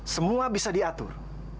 semua bisa diatur